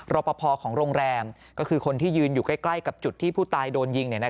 รอปภของโรงแรมก็คือคนที่ยืนอยู่ใกล้กับจุดที่ผู้ตายโดนยิง